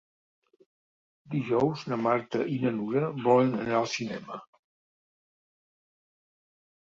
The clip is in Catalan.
Dijous na Marta i na Nura volen anar al cinema.